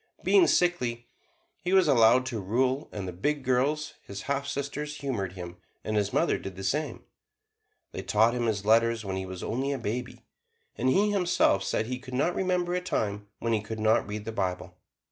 Being sickly, he was allowed to rule, and the big girls, his half sisters, humored him, and his mother did the same. They taught him his letters when he was only a baby, and he himself said that he could not remember a time when he could not read the Bible.